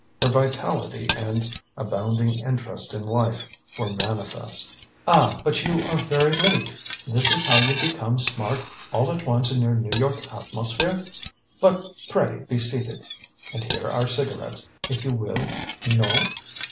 Her vitality and abounding interest in life were manifest. "Ah, but you are very late. This is how you become smart all at once in your New York atmosphere! But pray be seated; and here are cigarettes, if you will. No?